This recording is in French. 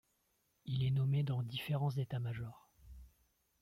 Il est nommé dans différents états-majors.